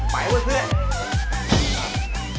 ไปเว้ยเพื่อน